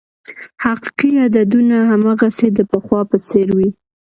حقیقي عددونه هماغسې د پخوا په څېر وې.